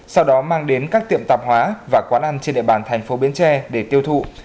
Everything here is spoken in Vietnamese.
sau đó mang đến các tiệm tạp hóa và quán ăn trên địa bàn thành phố bến tre để tiêu thụ